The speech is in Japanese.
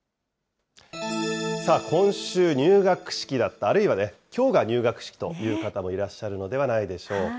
さあ、今週、入学式だった、あるいはきょうが入学式という方もいらっしゃるのではないでしょうか。